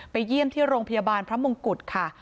เยี่ยมที่โรงพยาบาลพระมงกุฎค่ะ